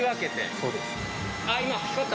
そうです。